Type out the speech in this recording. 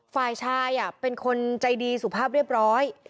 ฝ่ายชายเป็นคนใจดีสุภาพเรียบร้อย